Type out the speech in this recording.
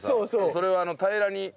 それを平らに。